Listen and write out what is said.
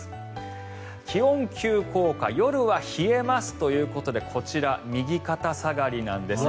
気温、急降下夜は冷えますということでこちら、右肩下がりなんです。